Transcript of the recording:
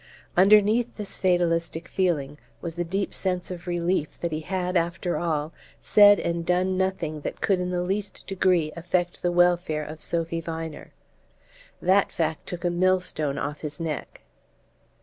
Underneath this fatalistic feeling was the deep sense of relief that he had, after all, said and done nothing that could in the least degree affect the welfare of Sophy Viner. That fact took a millstone off his neck.